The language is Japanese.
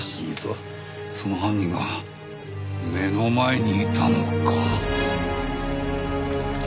その犯人が目の前にいたのか。